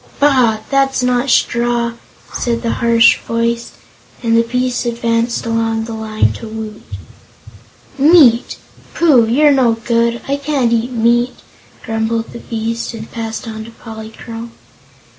"Bah! that's not straw," said the harsh voice, and the beast advanced along the line to Woot. "Meat! Pooh, you're no good! I can't eat meat," grumbled the beast, and passed on to Polychrome.